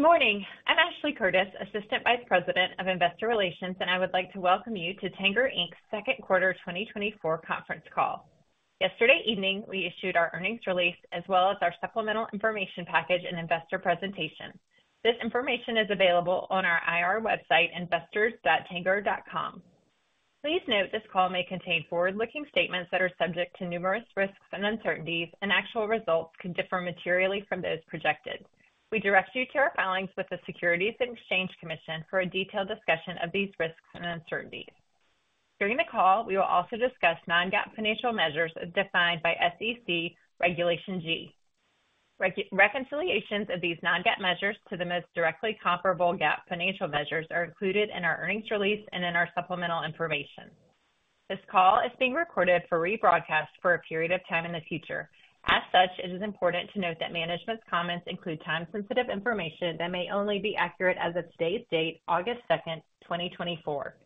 Good morning. I'm Ashley Curtis, Assistant Vice President of Investor Relations, and I would like to welcome you to Tanger Inc.'s second quarter 2024 conference call. Yesterday evening, we issued our earnings release as well as our supplemental information package and investor presentation. This information is available on our IR website, investors.tanger.com. Please note this call may contain forward-looking statements that are subject to numerous risks and uncertainties, and actual results can differ materially from those projected. We direct you to our filings with the Securities and Exchange Commission for a detailed discussion of these risks and uncertainties. During the call, we will also discuss non-GAAP financial measures as defined by SEC Regulation G. Reconciliations of these non-GAAP measures to the most directly comparable GAAP financial measures are included in our earnings release and in our supplemental information. This call is being recorded for rebroadcast for a period of time in the future. As such, it is important to note that management's comments include time-sensitive information that may only be accurate as of today's date, August 2nd, 2024.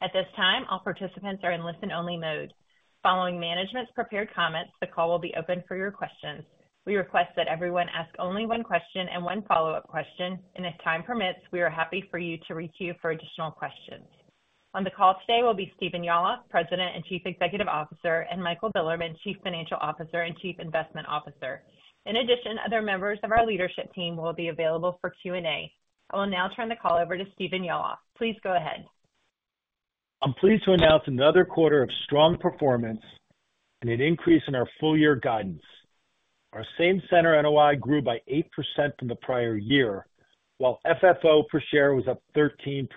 At this time, all participants are in listen-only mode. Following management's prepared comments, the call will be open for your questions. We request that everyone ask only one question and one follow-up question, and if time permits, we are happy for you to reach you for additional questions. On the call today will be Stephen Yalof, President and Chief Executive Officer, and Michael Bilerman, Chief Financial Officer and Chief Investment Officer. In addition, other members of our leadership team will be available for Q&A. I will now turn the call over to Stephen Yalof. Please go ahead. I'm pleased to announce another quarter of strong performance and an increase in our full-year guidance. Our Same-Center NOI grew by 8% from the prior year, while FFO per share was up 13%.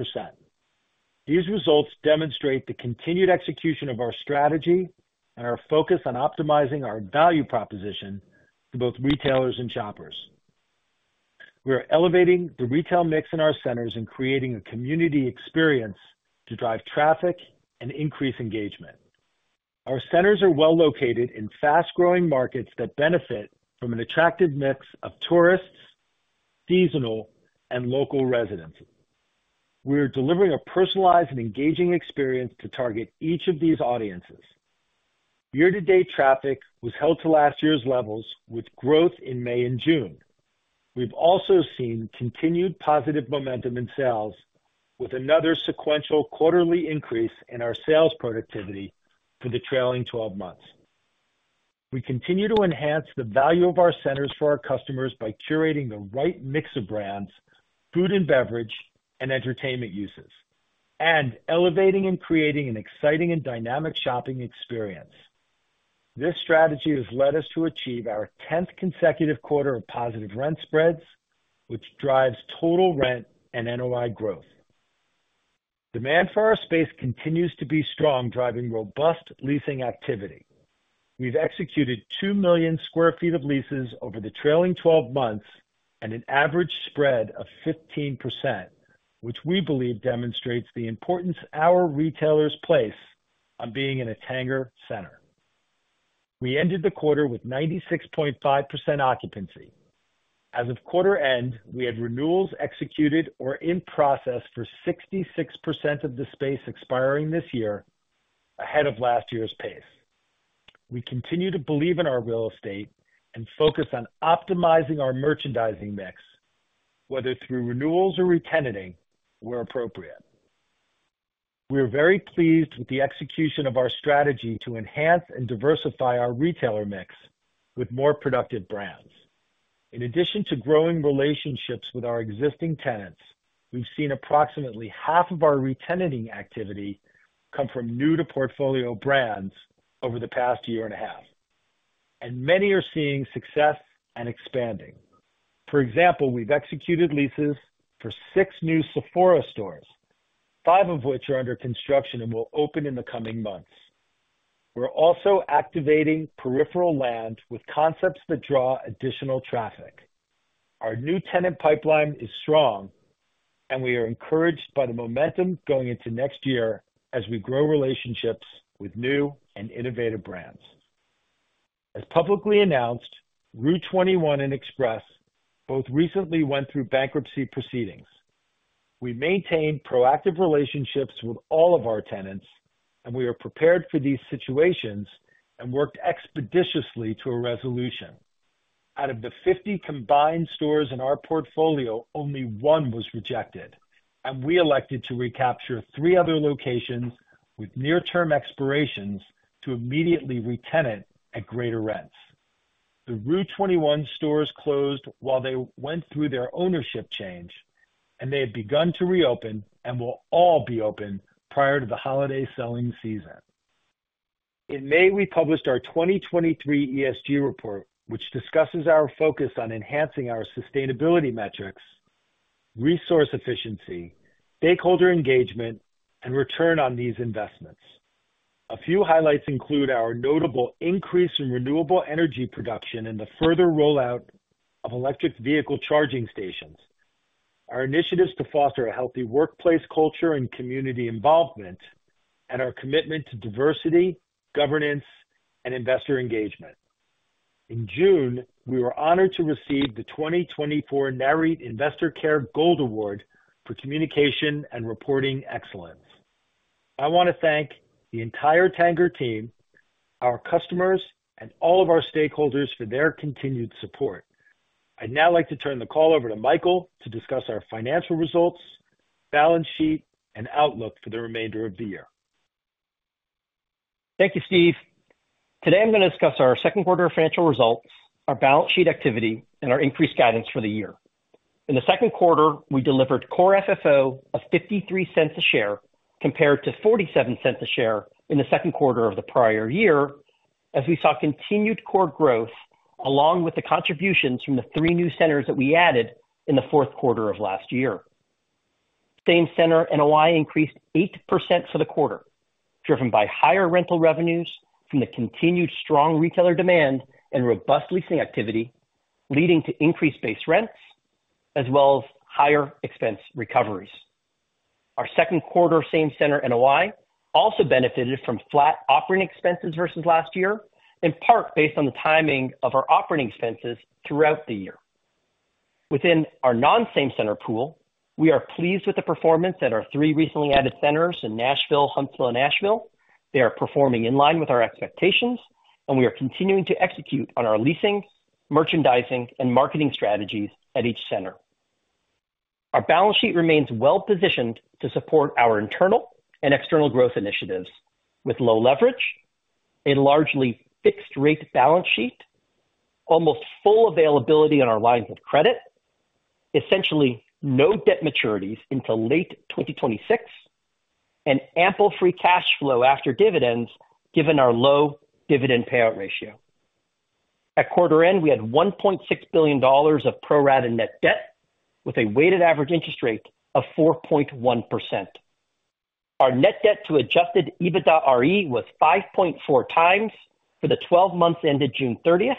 These results demonstrate the continued execution of our strategy and our focus on optimizing our value proposition to both retailers and shoppers. We are elevating the retail mix in our centers and creating a community experience to drive traffic and increase engagement. Our centers are well located in fast-growing markets that benefit from an attractive mix of tourists, seasonal, and local residents. We are delivering a personalized and engaging experience to target each of these audiences. Year-to-date traffic was held to last year's levels, with growth in May and June. We've also seen continued positive momentum in sales, with another sequential quarterly increase in our sales productivity for the trailing 12 months. We continue to enhance the value of our centers for our customers by curating the right mix of brands, food and beverage, and entertainment uses, and elevating and creating an exciting and dynamic shopping experience. This strategy has led us to achieve our 10th consecutive quarter of positive rent spreads, which drives total rent and NOI growth. Demand for our space continues to be strong, driving robust leasing activity. We've executed 2 million sq ft of leases over the trailing 12 months and an average spread of 15%, which we believe demonstrates the importance our retailers place on being in a Tanger center. We ended the quarter with 96.5% occupancy. As of quarter end, we had renewals executed or in process for 66% of the space expiring this year, ahead of last year's pace. We continue to believe in our real estate and focus on optimizing our merchandising mix, whether through renewals or re-tenanting where appropriate. We are very pleased with the execution of our strategy to enhance and diversify our retailer mix with more productive brands. In addition to growing relationships with our existing tenants, we've seen approximately half of our re-tenanting activity come from new-to-portfolio brands over the past year and a half, and many are seeing success and expanding. For example, we've executed leases for six new Sephora stores, five of which are under construction and will open in the coming months. We're also activating peripheral land with concepts that draw additional traffic. Our new tenant pipeline is strong, and we are encouraged by the momentum going into next year as we grow relationships with new and innovative brands. As publicly announced, rue21 and Express both recently went through bankruptcy proceedings. We maintain proactive relationships with all of our tenants, and we are prepared for these situations and worked expeditiously to a resolution. Out of the 50 combined stores in our portfolio, only one was rejected, and we elected to recapture three other locations with near-term expirations to immediately re-tenant at greater rents. The rue21 stores closed while they went through their ownership change, and they have begun to reopen and will all be open prior to the holiday selling season. In May, we published our 2023 ESG report, which discusses our focus on enhancing our sustainability metrics, resource efficiency, stakeholder engagement, and return on these investments. A few highlights include our notable increase in renewable energy production and the further rollout of electric vehicle charging stations, our initiatives to foster a healthy workplace culture and community involvement, and our commitment to diversity, governance, and investor engagement. In June, we were honored to receive the 2024 Nareit Investor Care Gold Award for communication and reporting excellence. I want to thank the entire Tanger team, our customers, and all of our stakeholders for their continued support. I'd now like to turn the call over to Michael to discuss our financial results, balance sheet, and outlook for the remainder of the year. Thank you, Steve. Today, I'm going to discuss our second quarter financial results, our balance sheet activity, and our increased guidance for the year. In the second quarter, we delivered Core FFO of $0.53 per share compared to $0.47 per share in the second quarter of the prior year, as we saw continued core growth along with the contributions from the three new centers that we added in the fourth quarter of last year. Same-Center NOI increased 8% for the quarter, driven by higher rental revenues from the continued strong retailer demand and robust leasing activity, leading to increased base rents, as well as higher expense recoveries. Our second quarter Same-Center NOI also benefited from flat operating expenses versus last year, in part based on the timing of our operating expenses throughout the year. Within our non-same-center pool, we are pleased with the performance at our three recently added centers in Nashville, Huntsville, and Asheville. They are performing in line with our expectations, and we are continuing to execute on our leasing, merchandising, and marketing strategies at each center. Our balance sheet remains well-positioned to support our internal and external growth initiatives with low leverage, a largely fixed-rate balance sheet, almost full availability on our lines of credit, essentially no debt maturities until late 2026, and ample free cash flow after dividends given our low dividend payout ratio. At quarter end, we had $1.6 billion of pro-rata net debt with a weighted average interest rate of 4.1%. Our net debt to Adjusted EBITDAre was 5.4x for the 12 months ended June 30th,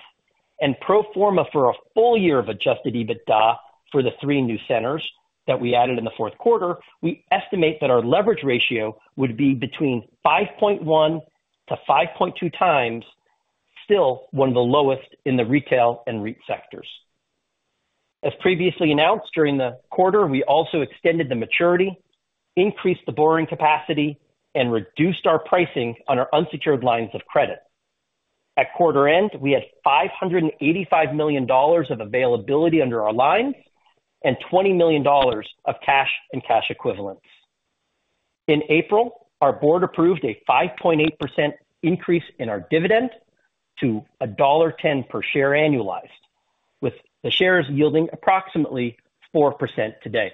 and pro forma for a full year of adjusted EBITDA for the three new centers that we added in the fourth quarter, we estimate that our leverage ratio would be between 5.1x-5.2x, still one of the lowest in the retail and REIT sectors. As previously announced during the quarter, we also extended the maturity, increased the borrowing capacity, and reduced our pricing on our unsecured lines of credit. At quarter end, we had $585 million of availability under our lines and $20 million of cash and cash equivalents. In April, our board approved a 5.8% increase in our dividend to $1.10 per share annualized, with the shares yielding approximately 4% today.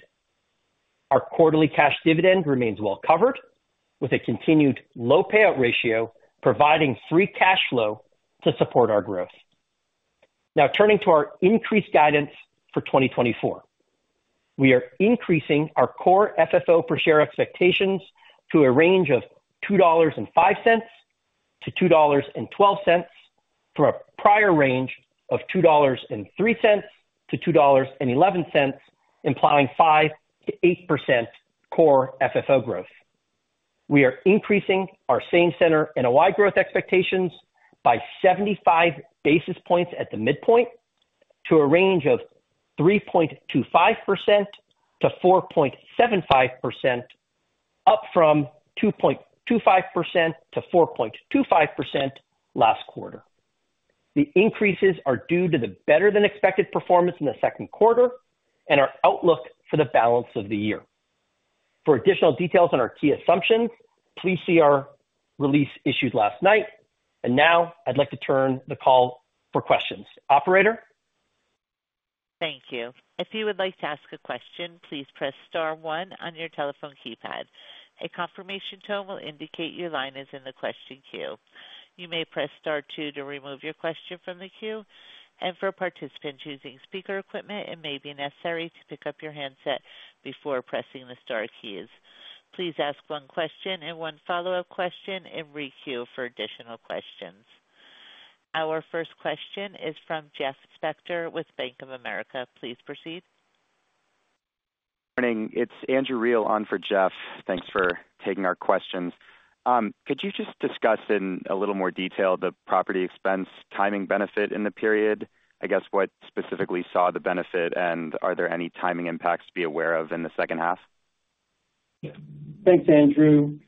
Our quarterly cash dividend remains well covered, with a continued low payout ratio providing free cash flow to support our growth. Now, turning to our increased guidance for 2024, we are increasing our core FFO per share expectations to a range of $2.05-$2.12 from a prior range of $2.03-$2.11, implying 5%-8% core FFO growth. We are increasing our same-center NOI growth expectations by 75 basis points at the midpoint to a range of 3.25%-4.75%, up from 2.25%-4.25% last quarter. The increases are due to the better-than-expected performance in the second quarter and our outlook for the balance of the year. For additional details on our key assumptions, please see our release issued last night. And now, I'd like to turn the call for questions. Operator. Thank you. If you would like to ask a question, please press Star 1 on your telephone keypad. A confirmation tone will indicate your line is in the question queue. You may press Star 2 to remove your question from the queue. And for participants using speaker equipment, it may be necessary to pick up your handset before pressing the Star keys. Please ask one question and one follow-up question in REIT queue for additional questions. Our first question is from Jeff Spector with Bank of America. Please proceed. Morning. It's Andrew Rosivello on for Jeff. Thanks for taking our questions. Could you just discuss in a little more detail the property expense timing benefit in the period? I guess what specifically saw the benefit, and are there any timing impacts to be aware of in the second half? Thanks, Andrew.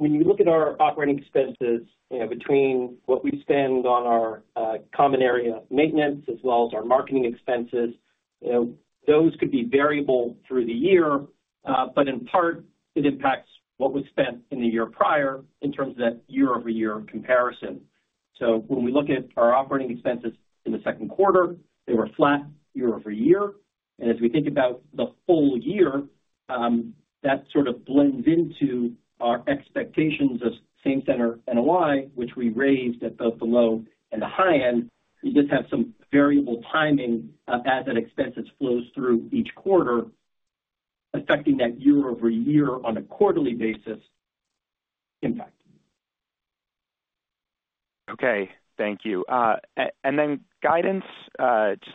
When you look at our operating expenses, between what we spend on our common area maintenance as well as our marketing expenses, those could be variable through the year, but in part, it impacts what was spent in the year prior in terms of that year-over-year comparison. So when we look at our operating expenses in the second quarter, they were flat year-over-year. As we think about the full year, that sort of blends into our expectations of same-center NOI, which we raised at both the low and the high end. You just have some variable timing as that expense flows through each quarter, affecting that year-over-year on a quarterly basis impact. Okay. Thank you. And then guidance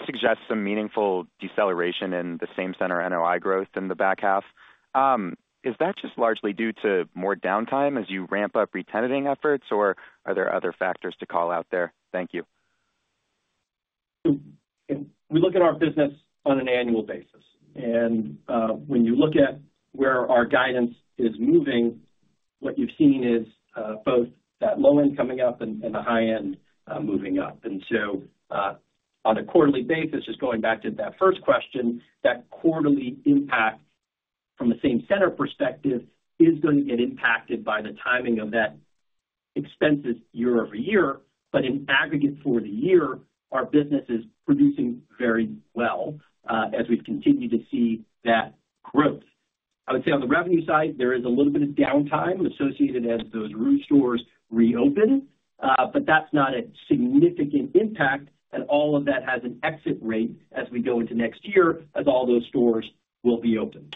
suggests some meaningful deceleration in the same-center NOI growth in the back half. Is that just largely due to more downtime as you ramp up retting efforts, or are there other factors to call out there? Thank you. We look at our business on an annual basis. When you look at where our guidance is moving, what you've seen is both that low end coming up and the high end moving up. So on a quarterly basis, just going back to that first question, that quarterly impact from a same-center perspective is going to get impacted by the timing of those expenses year-over-year. But in aggregate for the year, our business is producing very well as we've continued to see that growth. I would say on the revenue side, there is a little bit of downtime associated as those rue21 stores reopen, but that's not a significant impact. And all of that has an exit rate as we go into next year as all those stores will be open.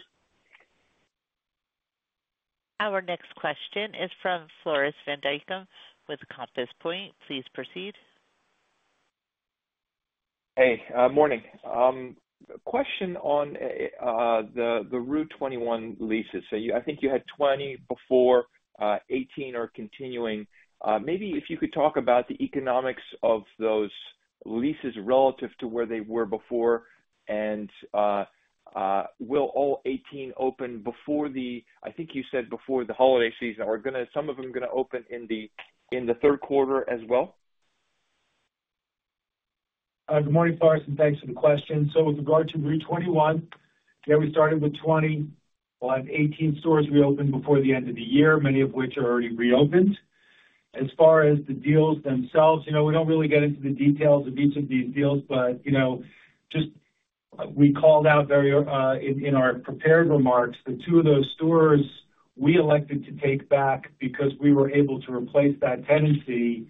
Our next question is from Floris van Dijkum with Compass Point. Please proceed. Hey, morning. Question on the rue21 leases. So I think you had 20 before, 18 are continuing. Maybe if you could talk about the economics of those leases relative to where they were before, and will all 18 open before the, I think you said before the holiday season, are some of them going to open in the third quarter as well? Good morning, Floris. Thanks for the question. With regard to rue21, yeah, we started with 20. We'll have 18 stores reopen before the end of the year, many of which are already reopened. As far as the deals themselves, we don't really get into the details of each of these deals, but just we called out in our prepared remarks that two of those stores we elected to take back because we were able to replace that tenancy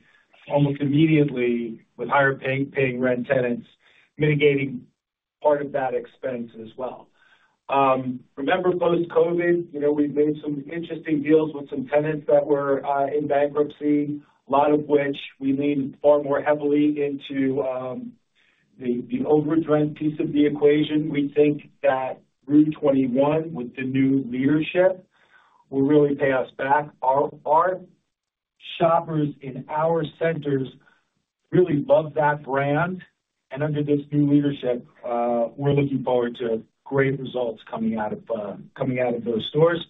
almost immediately with higher-paying rent tenants, mitigating part of that expense as well. Remember post-COVID, we've made some interesting deals with some tenants that were in bankruptcy, a lot of which we leaned far more heavily into the overage piece of the equation. We think that rue21, with the new leadership, will really pay us back. Our shoppers in our centers really love that brand. Under this new leadership, we're looking forward to great results coming out of those stores.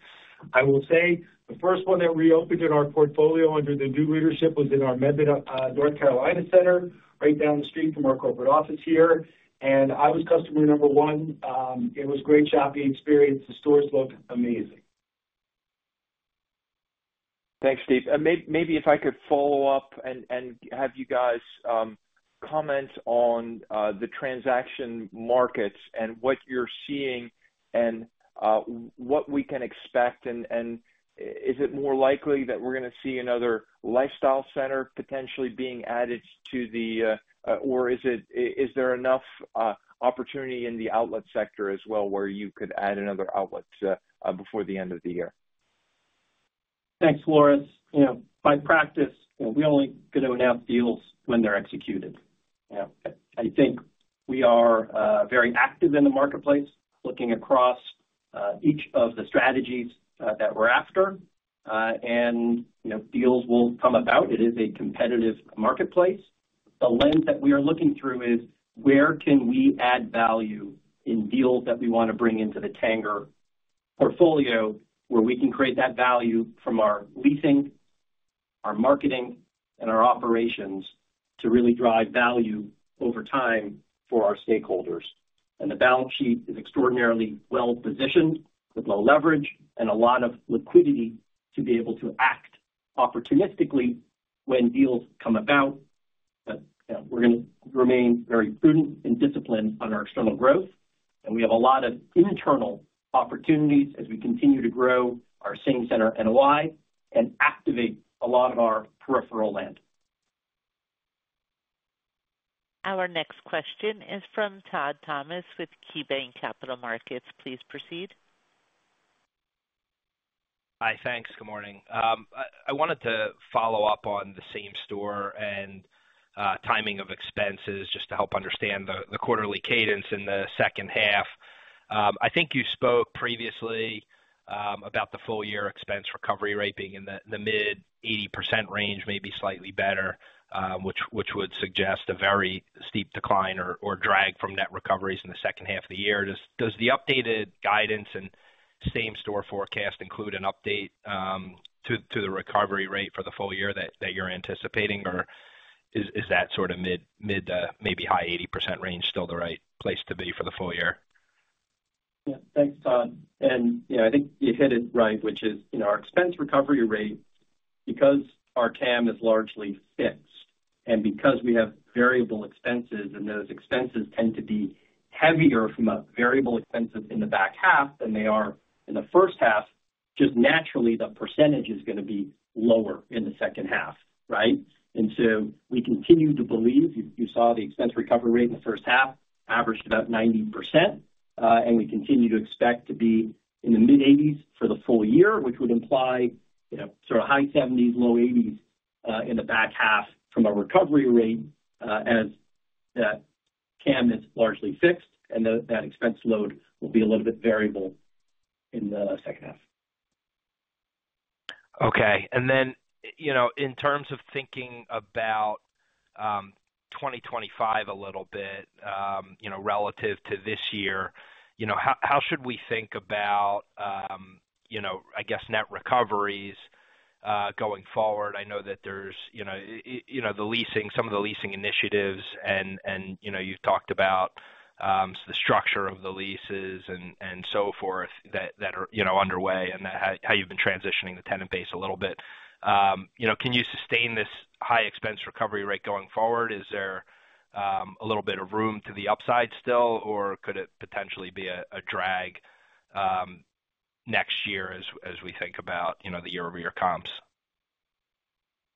I will say the first one that reopened in our portfolio under the new leadership was in our Mebane, North Carolina center, right down the street from our corporate office here. I was customer number one. It was a great shopping experience. The stores look amazing. Thanks, Steve. Maybe if I could follow up and have you guys comment on the transaction markets and what you're seeing and what we can expect. And is it more likely that we're going to see another lifestyle center potentially being added to the, or is there enough opportunity in the outlet sector as well where you could add another outlet before the end of the year? Thanks, Floris. By practice, we're only going to announce deals when they're executed. I think we are very active in the marketplace looking across each of the strategies that we're after. And deals will come about. It is a competitive marketplace. The lens that we are looking through is where can we add value in deals that we want to bring into the Tanger portfolio where we can create that value from our leasing, our marketing, and our operations to really drive value over time for our stakeholders. And the balance sheet is extraordinarily well-positioned with low leverage and a lot of liquidity to be able to act opportunistically when deals come about. We're going to remain very prudent and disciplined on our external growth. And we have a lot of internal opportunities as we continue to grow our same-center NOI and activate a lot of our peripheral land. Our next question is from Todd Thomas with KeyBank Capital Markets. Please proceed. Hi, thanks. Good morning. I wanted to follow up on the same store and timing of expenses just to help understand the quarterly cadence in the second half. I think you spoke previously about the full-year expense recovery rate being in the mid-80% range, maybe slightly better, which would suggest a very steep decline or drag from net recoveries in the second half of the year. Does the updated guidance and same-store forecast include an update to the recovery rate for the full year that you're anticipating, or is that sort of mid- to maybe high 80% range still the right place to be for the full year? Thanks, Todd. And I think you hit it right, which is our expense recovery rate, because our CAM is largely fixed and because we have variable expenses, and those expenses tend to be heavier from variable expenses in the back half than they are in the first half, just naturally, the percentage is going to be lower in the second half, right? And so we continue to believe you saw the expense recovery rate in the first half averaged about 90%. And we continue to expect to be in the mid-80s for the full year, which would imply sort of high 70s, low 80s in the back half from a recovery rate as that CAM is largely fixed and that expense load will be a little bit variable in the second half. Okay. And then in terms of thinking about 2025 a little bit relative to this year, how should we think about, I guess, net recoveries going forward? I know that there's some of the leasing initiatives, and you've talked about the structure of the leases and so forth that are underway and how you've been transitioning the tenant base a little bit. Can you sustain this high expense recovery rate going forward? Is there a little bit of room to the upside still, or could it potentially be a drag next year as we think about the year-over-year comps?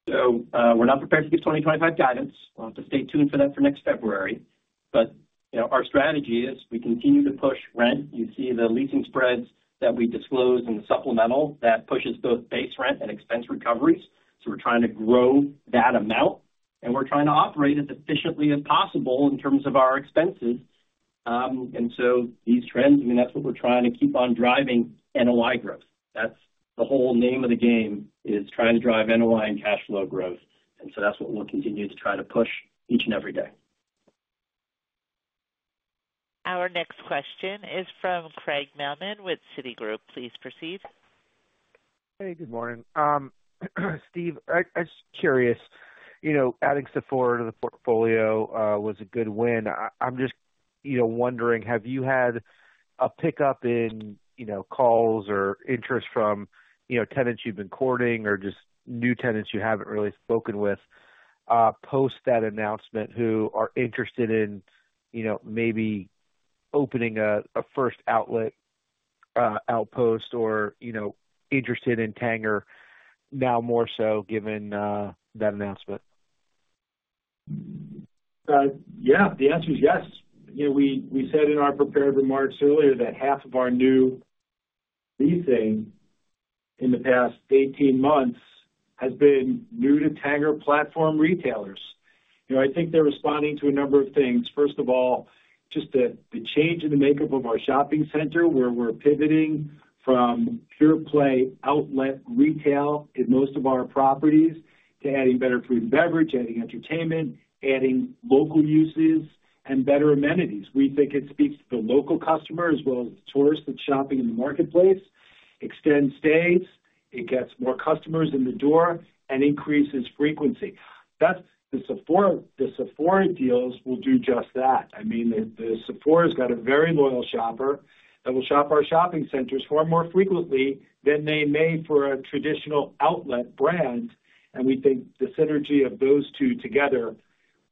So we're not prepared to give 2025 guidance. We'll have to stay tuned for that for next February. But our strategy is we continue to push rent. You see the leasing spreads that we disclose in the supplemental that pushes both base rent and expense recoveries. So we're trying to grow that amount, and we're trying to operate as efficiently as possible in terms of our expenses. And so these trends, I mean, that's what we're trying to keep on driving NOI growth. That's the whole name of the game is trying to drive NOI and cash flow growth. And so that's what we'll continue to try to push each and every day. Our next question is from Craig Mailman with Citigroup. Please proceed. Hey, good morning. Steve, I'm just curious. Adding Sephora to the portfolio was a good win. I'm just wondering, have you had a pickup in calls or interest from tenants you've been courting or just new tenants you haven't really spoken with post that announcement who are interested in maybe opening a first outlet outpost or interested in Tanger now more so given that announcement? Yeah. The answer is yes. We said in our prepared remarks earlier that half of our new leasing in the past 18 months has been new to Tanger platform retailers. I think they're responding to a number of things. First of all, just the change in the makeup of our shopping center where we're pivoting from pure-play outlet retail in most of our properties to adding better food and beverage, adding entertainment, adding local uses, and better amenities. We think it speaks to the local customer as well as the tourists that's shopping in the marketplace. Extends days. It gets more customers in the door and increases frequency. The Sephora deals will do just that. I mean, the Sephora's got a very loyal shopper that will shop our shopping centers far more frequently than they may for a traditional outlet brand. We think the synergy of those two together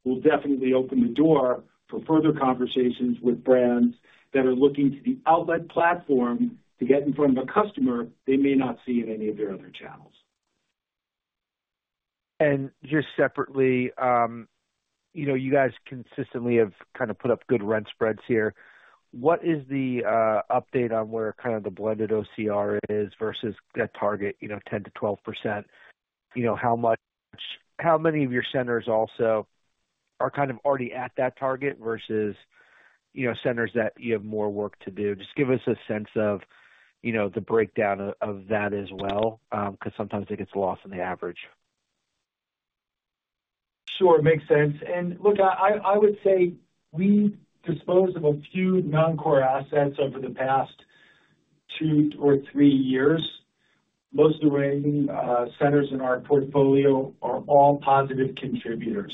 will definitely open the door for further conversations with brands that are looking to the outlet platform to get in front of a customer they may not see in any of their other channels. Just separately, you guys consistently have kind of put up good rent spreads here. What is the update on where kind of the blended OCR is versus that target, 10%-12%? How many of your centers also are kind of already at that target versus centers that you have more work to do? Just give us a sense of the breakdown of that as well because sometimes it gets lost in the average. Sure. Makes sense. And look, I would say we disposed of a few non-core assets over the past 2 or 3 years. Most of the remaining centers in our portfolio are all positive contributors.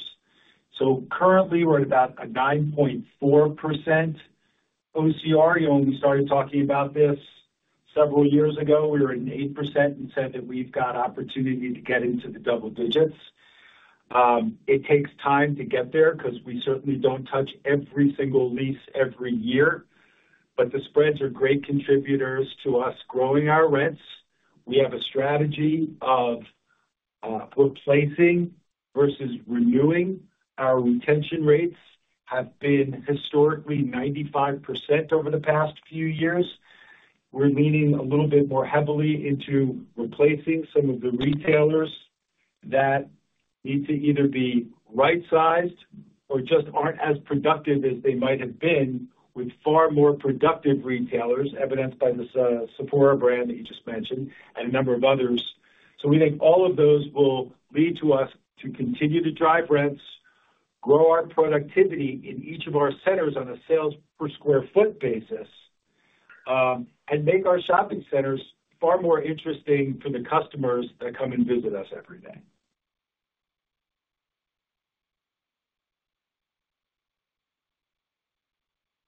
So currently, we're at about a 9.4% OCR. We started talking about this several years ago. We were at an 8% and said that we've got opportunity to get into the double digits. It takes time to get there because we certainly don't touch every single lease every year. But the spreads are great contributors to us growing our rents. We have a strategy of replacing versus renewing. Our retention rates have been historically 95% over the past few years. We're leaning a little bit more heavily into replacing some of the retailers that need to either be right-sized or just aren't as productive as they might have been with far more productive retailers, evidenced by the Sephora brand that you just mentioned and a number of others. So we think all of those will lead to us to continue to drive rents, grow our productivity in each of our centers on a sales per square foot basis, and make our shopping centers far more interesting for the customers that come and visit us every day.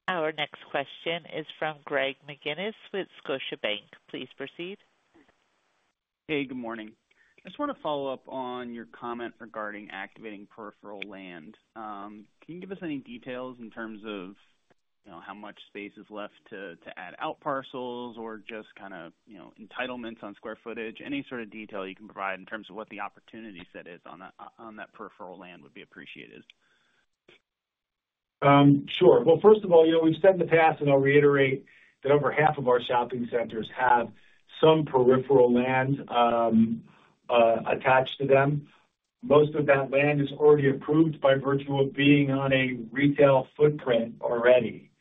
Our next question is from Greg McGinniss with Scotiabank. Please proceed. Hey, good morning. I just want to follow up on your comment regarding activating peripheral land. Can you give us any details in terms of how much space is left to add out parcels or just kind of entitlements on square footage? Any sort of detail you can provide in terms of what the opportunity set is on that peripheral land would be appreciated. Sure. Well, first of all, we've said in the past, and I'll reiterate that over half of our shopping centers have some peripheral land attached to them. Most of that land is already approved by virtue of being on a retail footprint already.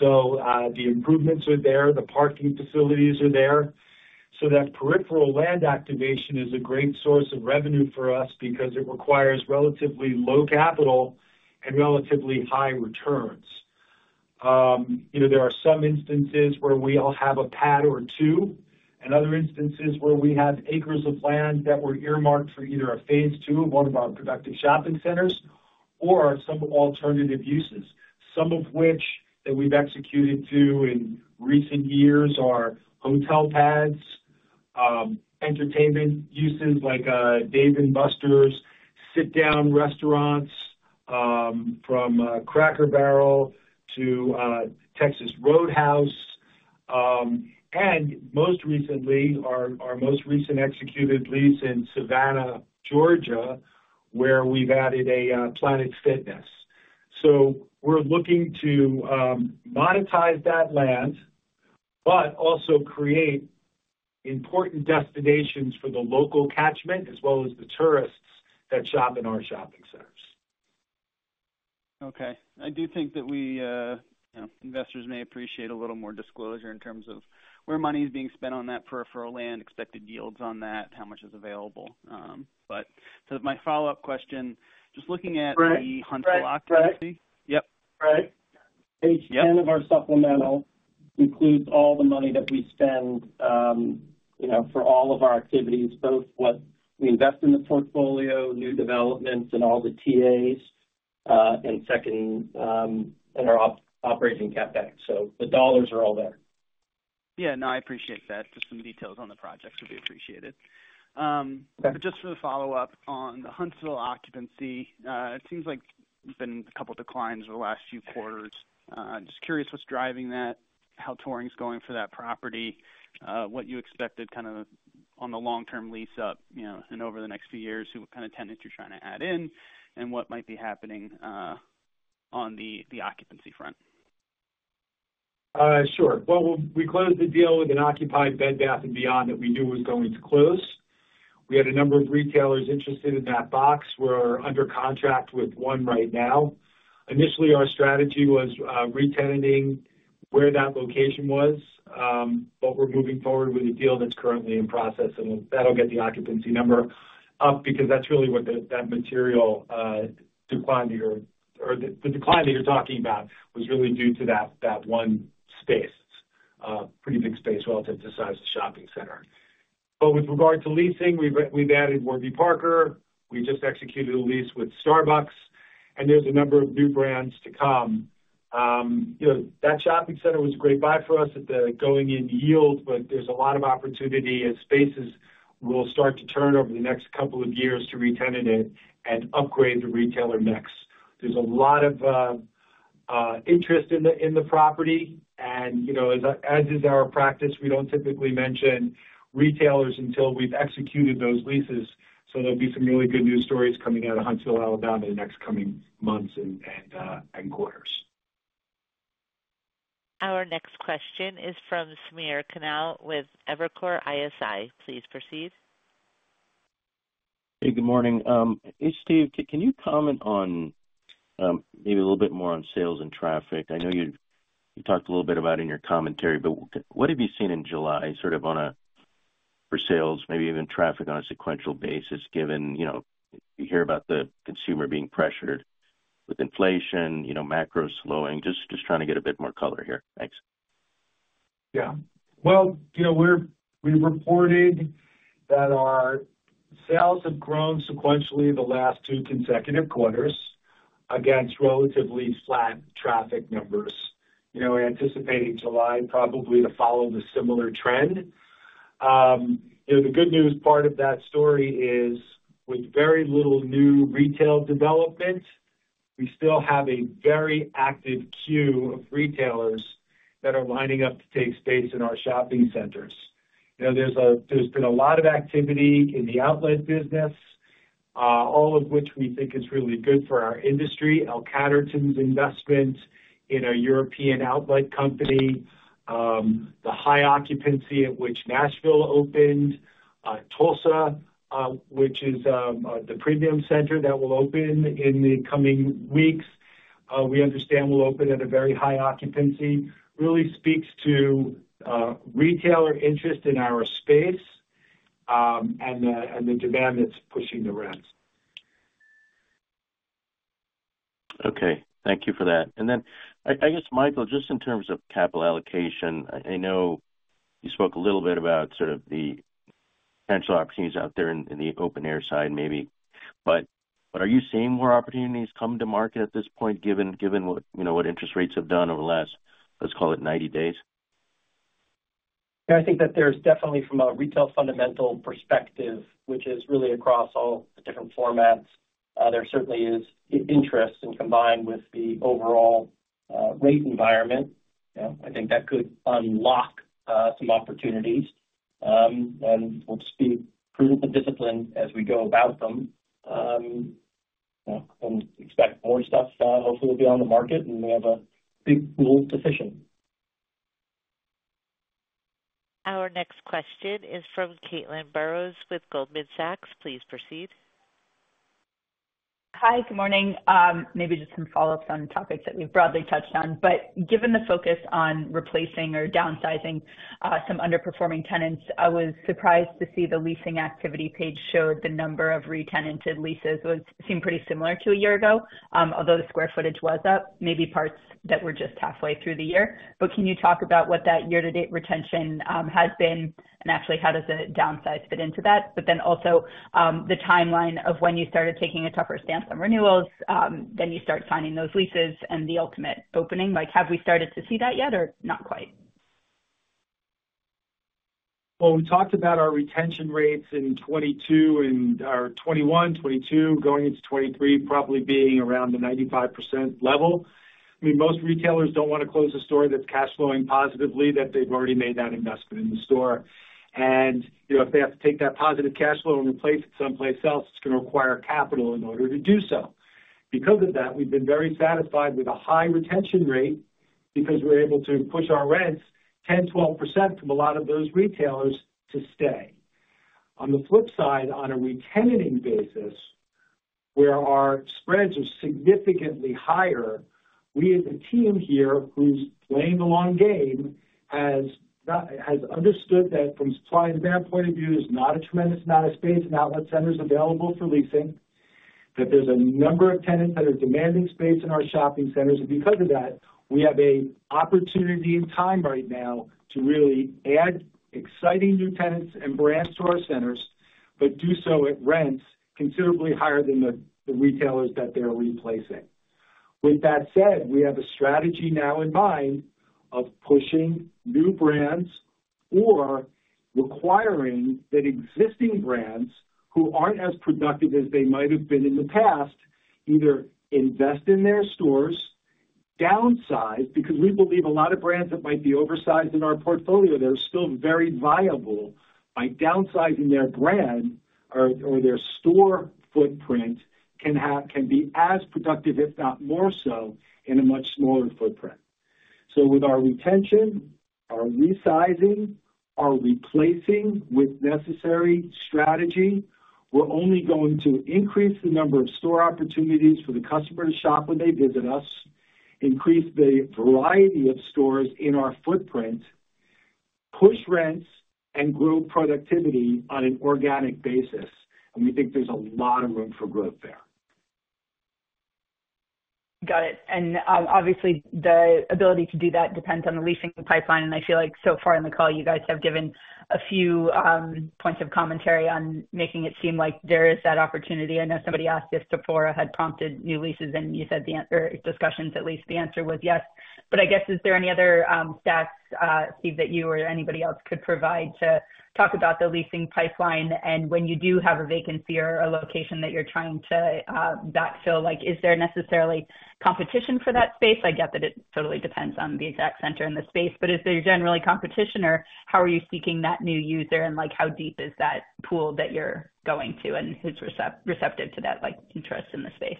So the improvements are there. The parking facilities are there. So that peripheral land activation is a great source of revenue for us because it requires relatively low capital and relatively high returns. There are some instances where we all have a pad or two, and other instances where we have acres of land that were earmarked for either a phase two of one of our productive shopping centers or some alternative uses, some of which that we've executed to in recent years are hotel pads, entertainment uses like Dave & Buster's sit-down restaurants from Cracker Barrel to Texas Roadhouse. Most recently, our most recent executed lease in Savannah, Georgia, where we've added a Planet Fitness. So we're looking to monetize that land, but also create important destinations for the local catchment as well as the tourists that shop in our shopping centers. Okay. I do think that investors may appreciate a little more disclosure in terms of where money is being spent on that peripheral land, expected yields on that, how much is available. But my follow-up question, just looking at the Huntsville, yep. Right. Right. Page 10 of our supplemental includes all the money that we spend for all of our activities, both what we invest in the portfolio, new developments, and all the TAs and our Operating CapEx. So the dollars are all there. Yeah. No, I appreciate that. Just some details on the project would be appreciated. But just for the follow-up on the Huntsville occupancy, it seems like there's been a couple of declines over the last few quarters. Just curious what's driving that, how touring's going for that property, what you expected kind of on the long-term lease-up, and over the next few years, who kind of tenants you're trying to add in, and what might be happening on the occupancy front. Sure. Well, we closed the deal with an occupied Bed Bath & Beyond that we knew was going to close. We had a number of retailers interested in that box. We're under contract with one right now. Initially, our strategy was retaining where that location was, but we're moving forward with a deal that's currently in process. And that'll get the occupancy number up because that's really what that material decline that you're or the decline that you're talking about was really due to that one space, pretty big space relative to the size of the shopping center. But with regard to leasing, we've added Warby Parker. We just executed a lease with Starbucks. And there's a number of new brands to come. That shopping center was a great buy for us at the going-in yield, but there's a lot of opportunity as spaces will start to turn over the next couple of years to retain it and upgrade the retailer mix. There's a lot of interest in the property. As is our practice, we don't typically mention retailers until we've executed those leases. There'll be some really good news stories coming out of Huntsville, Alabama, in the next coming months and quarters. Our next question is from Samir Khanal with Evercore ISI. Please proceed. Hey, good morning. Hey, Steve, can you comment on maybe a little bit more on sales and traffic? I know you talked a little bit about it in your commentary, but what have you seen in July sort of for sales, maybe even traffic on a sequential basis, given you hear about the consumer being pressured with inflation, macro slowing, just trying to get a bit more color here? Thanks. Yeah. Well, we've reported that our sales have grown sequentially the last two consecutive quarters against relatively flat traffic numbers, anticipating July probably to follow the similar trend. The good news part of that story is with very little new retail development, we still have a very active queue of retailers that are lining up to take space in our shopping centers. There's been a lot of activity in the outlet business, all of which we think is really good for our industry. L Catterton's investment in a European outlet company, the high occupancy at which Nashville opened, Tulsa, which is the premium center that will open in the coming weeks, we understand will open at a very high occupancy, really speaks to retailer interest in our space and the demand that's pushing the rents. Okay. Thank you for that. And then I guess, Michael, just in terms of capital allocation, I know you spoke a little bit about sort of the potential opportunities out there in the open-air side maybe. But are you seeing more opportunities come to market at this point given what interest rates have done over the last, let's call it, 90 days? Yeah. I think that there's definitely, from a retail fundamental perspective, which is really across all the different formats, there certainly is interest and combined with the overall rate environment. I think that could unlock some opportunities. We'll just be prudent and disciplined as we go about them. And expect more stuff, hopefully, will be on the market, and we have a big pool to fish in. Our next question is from Caitlin Burrows with Goldman Sachs. Please proceed. Hi, good morning. Maybe just some follow-ups on topics that we've broadly touched on. But given the focus on replacing or downsizing some underperforming tenants, I was surprised to see the leasing activity page showed the number of retention leases seemed pretty similar to a year ago, although the square footage was up, maybe parts that were just halfway through the year. But can you talk about what that year-to-date retention has been? And actually, how does the downsize fit into that? But then also the timeline of when you started taking a tougher stance on renewals, then you start signing those leases and the ultimate opening. Have we started to see that yet or not quite? Well, we talked about our retention rates in 2022 and our 2021, 2022, going into 2023, probably being around the 95% level. I mean, most retailers don't want to close a store that's cash flowing positively that they've already made that investment in the store. And if they have to take that positive cash flow and replace it someplace else, it's going to require capital in order to do so. Because of that, we've been very satisfied with a high retention rate because we're able to push our rents 10%-12% from a lot of those retailers to stay. On the flip side, on a retention basis, where our spreads are significantly higher, we as a team here who's playing the long game has understood that from supply and demand point of view, there's not a tremendous amount of space and outlet centers available for leasing, that there's a number of tenants that are demanding space in our shopping centers. And because of that, we have an opportunity in time right now to really add exciting new tenants and brands to our centers, but do so at rents considerably higher than the retailers that they're replacing. With that said, we have a strategy now in mind of pushing new brands or requiring that existing brands who aren't as productive as they might have been in the past either invest in their stores, downsize because we believe a lot of brands that might be oversized in our portfolio that are still very viable by downsizing their brand or their store footprint can be as productive, if not more so, in a much smaller footprint. So with our retention, our resizing, our replacing with necessary strategy, we're only going to increase the number of store opportunities for the customer to shop when they visit us, increase the variety of stores in our footprint, push rents, and grow productivity on an organic basis. And we think there's a lot of room for growth there. Got it. And obviously, the ability to do that depends on the leasing pipeline. And I feel like so far in the call, you guys have given a few points of commentary on making it seem like there is that opportunity. I know somebody asked if Sephora had prompted new leases, and you said the answer or discussions at least the answer was yes. But I guess, is there any other stats, Steve, that you or anybody else could provide to talk about the leasing pipeline? And when you do have a vacancy or a location that you're trying to backfill, is there necessarily competition for that space? I get that it totally depends on the exact center in the space, but is there generally competition, or how are you seeking that new user, and how deep is that pool that you're going to, and who's receptive to that interest in the space?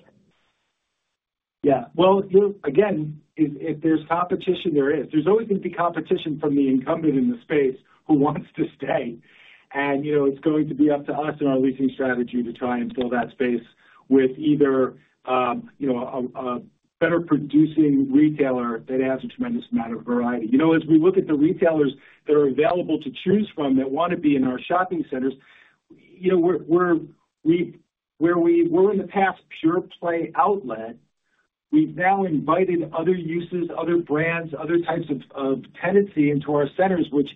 Yeah. Well, again, if there's competition, there is. There's always going to be competition from the incumbent in the space who wants to stay. It's going to be up to us and our leasing strategy to try and fill that space with either a better-producing retailer that has a tremendous amount of variety. As we look at the retailers that are available to choose from that want to be in our shopping centers, where we were in the past pure-play outlet, we've now invited other uses, other brands, other types of tenancy into our centers, which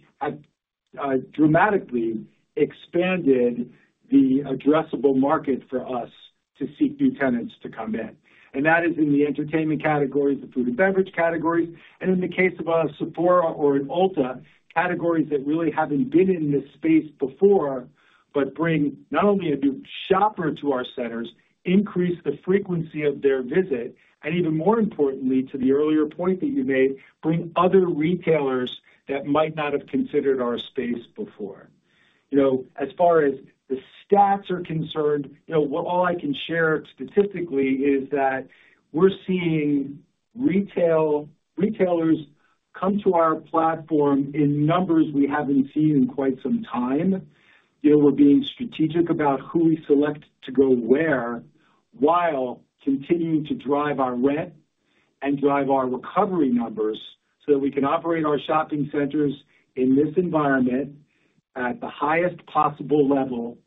have dramatically expanded the addressable market for us to seek new tenants to come in. That is in the entertainment categories, the food and beverage categories, and in the case of a Sephora or an Ulta, categories that really haven't been in this space before, but bring not only a new shopper to our centers, increase the frequency of their visit, and even more importantly, to the earlier point that you made, bring other retailers that might not have considered our space before. As far as the stats are concerned, all I can share statistically is that we're seeing retailers come to our platform in numbers we haven't seen in quite some time. We're being strategic about who we select to go where while continuing to drive our rent and drive our recovery numbers so that we can operate our shopping centers in this environment at the highest possible level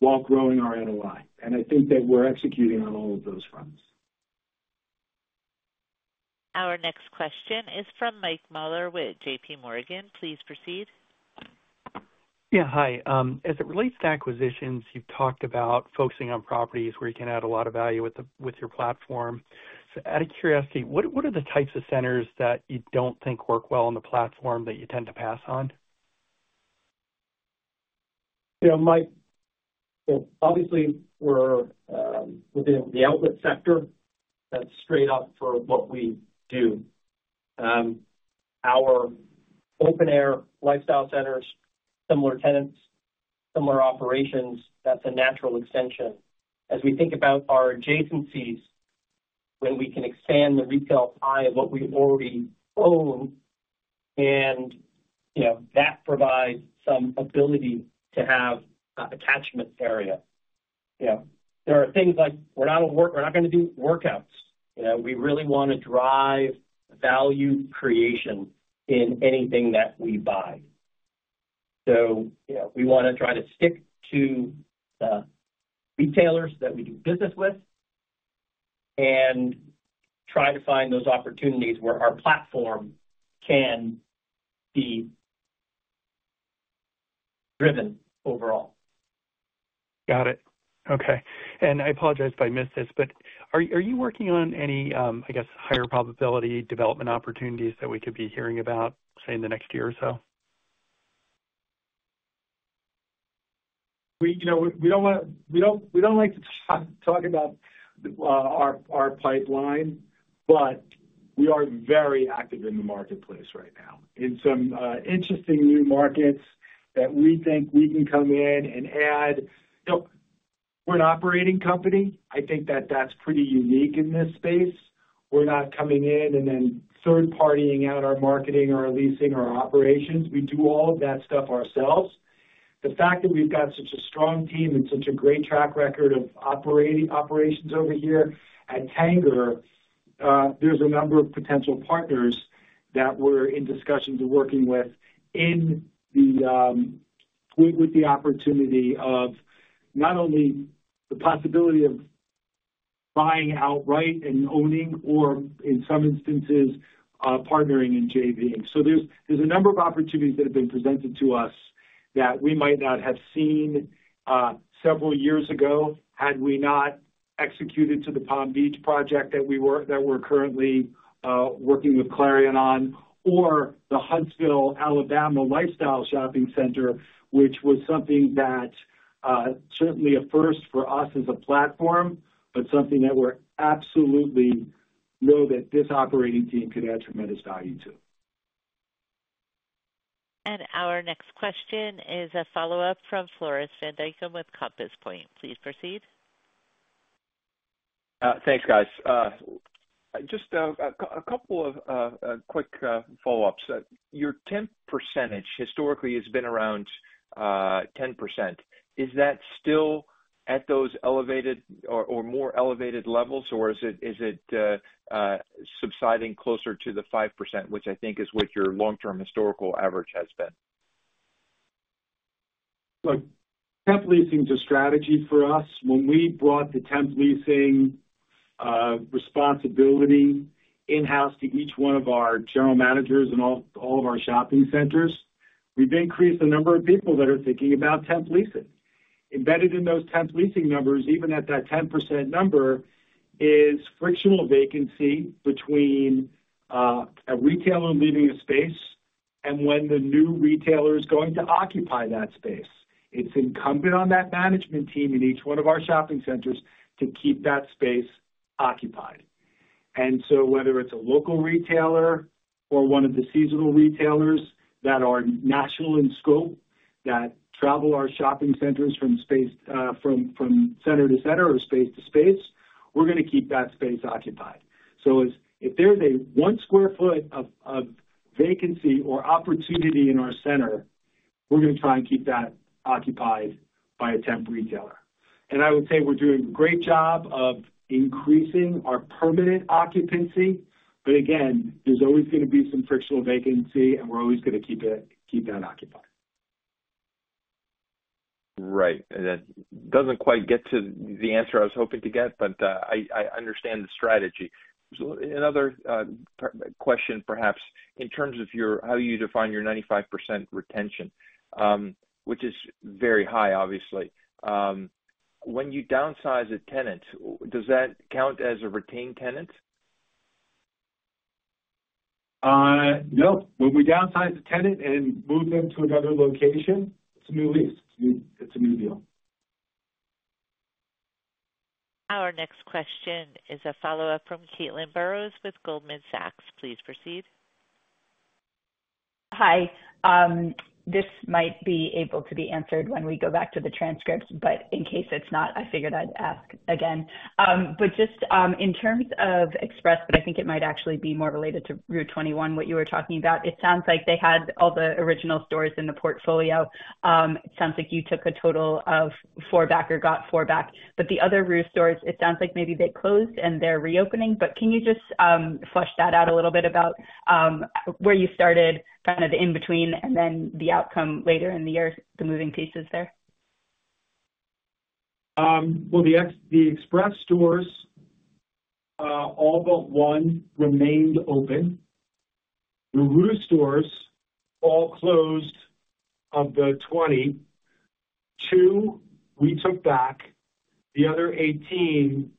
while growing our NOI. I think that we're executing on all of those fronts. Our next question is from Mike Mueller with JPMorgan. Please proceed. Yeah. Hi. As it relates to acquisitions, you've talked about focusing on properties where you can add a lot of value with your platform. So out of curiosity, what are the types of centers that you don't think work well on the platform that you tend to pass on? Obviously, we're within the outlet sector. That's straight up for what we do. Our open-air lifestyle centers, similar tenants, similar operations, that's a natural extension. As we think about our adjacencies, when we can expand the retail pie of what we already own, and that provides some ability to have attachment area. There are things like we're not going to do workouts. We really want to drive value creation in anything that we buy. So we want to try to stick to the retailers that we do business with and try to find those opportunities where our platform can be driven overall. Got it. Okay. And I apologize if I missed this, but are you working on any, I guess, higher probability development opportunities that we could be hearing about, say, in the next year or so? We don't like to talk about our pipeline, but we are very active in the marketplace right now in some interesting new markets that we think we can come in and add. We're an operating company. I think that that's pretty unique in this space. We're not coming in and then third-partying out our marketing or our leasing or our operations. We do all of that stuff ourselves. The fact that we've got such a strong team and such a great track record of operations over here at Tanger, there's a number of potential partners that we're in discussions of working with with the opportunity of not only the possibility of buying outright and owning or, in some instances, partnering in JVing. There's a number of opportunities that have been presented to us that we might not have seen several years ago had we not executed to the Palm Beach project that we were currently working with Clarion on or the Huntsville, Alabama lifestyle shopping center, which was something that certainly a first for us as a platform, but something that we absolutely know that this operating team could add tremendous value to. Our next question is a follow-up from Floris van Dijkum with Compass Point. Please proceed. Thanks, guys. Just a couple of quick follow-ups. Your 10th percentage historically has been around 10%. Is that still at those elevated or more elevated levels, or is it subsiding closer to the 5%, which I think is what your long-term historical average has been? Temp leasing's a strategy for us. When we brought the temp leasing responsibility in-house to each one of our general managers in all of our shopping centers, we've increased the number of people that are thinking about temp leasing. Embedded in those temp leasing numbers, even at that 10% number, is frictional vacancy between a retailer leaving a space and when the new retailer is going to occupy that space. It's incumbent on that management team in each one of our shopping centers to keep that space occupied. And so whether it's a local retailer or one of the seasonal retailers that are national in scope that travel our shopping centers from center to center or space to space, we're going to keep that space occupied. If there's a 1 sq ft of vacancy or opportunity in our center, we're going to try and keep that occupied by a temp retailer. I would say we're doing a great job of increasing our permanent occupancy. Again, there's always going to be some frictional vacancy, and we're always going to keep that occupied. Right. That doesn't quite get to the answer I was hoping to get, but I understand the strategy. Another question, perhaps, in terms of how you define your 95% retention, which is very high, obviously. When you downsize a tenant, does that count as a retained tenant? No. When we downsize a tenant and move them to another location, it's a new lease. It's a new deal. Our next question is a follow-up from Caitlin Burrows with Goldman Sachs. Please proceed. Hi. This might be able to be answered when we go back to the transcripts, but in case it's not, I figured I'd ask again. But just in terms of Express, but I think it might actually be more related to rue21, what you were talking about, it sounds like they had all the original stores in the portfolio. It sounds like you took a total of 4 back or got 4 back. But the other rue21 stores, it sounds like maybe they closed and they're reopening. But can you just flesh that out a little bit about where you started, kind of the in-between, and then the outcome later in the year, the moving pieces there? Well, the Express stores, all but one, remained open. The rue21 stores all closed of the 20. Two, we took back. The other 18,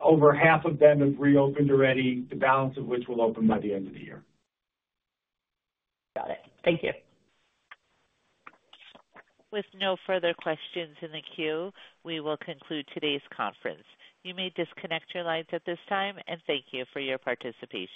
over half of them have reopened already, the balance of which will open by the end of the year. Got it. Thank you. With no further questions in the queue, we will conclude today's conference. You may disconnect your lines at this time, and thank you for your participation.